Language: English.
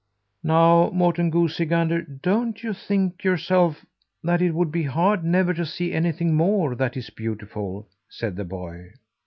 "Now, Morten Goosey Gander, don't you think yourself that it would be hard never to see anything more that is beautiful!" said the boy.